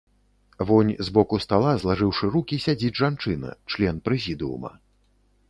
Вунь з боку стала, злажыўшы рукі, сядзіць жанчына, член прэзідыума.